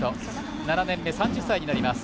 ７年目、３０歳になります。